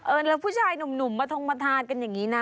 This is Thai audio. แล้วผู้ชายหนุ่มมาทงมาทานกันอย่างนี้นะ